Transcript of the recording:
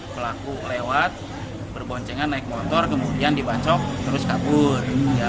pelaku lewat berboncengan naik motor kemudian dibancok terus kabur